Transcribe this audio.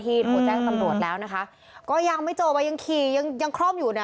โทรแจ้งเจ้าหน้าที่โทรแจ้งตำรวจแล้วนะคะก็ยังไม่โจวัยยังขี่ยังยังคล่อมอยู่น่ะ